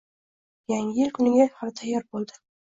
Yangi yil kuniga hovli tayyor bo`ldi